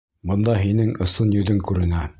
Бында һинең ысын йөҙөң күренә.